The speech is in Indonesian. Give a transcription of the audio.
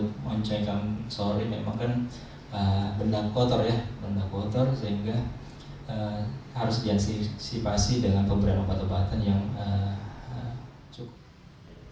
benda kotor sehingga harus diinsipasi dengan pemberian obat obatan yang cukup